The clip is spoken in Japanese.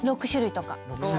６種類とか。